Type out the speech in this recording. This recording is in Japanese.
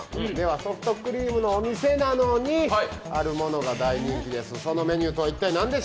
ソフトクリームのお店なのにあるメニューが人気です。